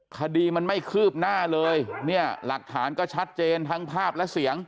คดีมันไม่คืบหน้าเลยเนี่ยหลักฐานก็ชัดเจนทั้งภาพและเสียง